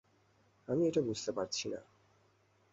আমি এটা বুঝতে পারছি না।